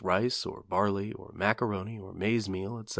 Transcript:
rice, or barley, or macaroni, or maize meal, etc.